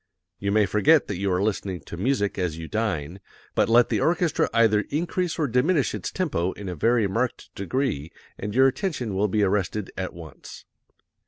You may forget that you are listening to music as you dine, but let the orchestra either increase or diminish its tempo in a very marked degree and your attention will be arrested at once.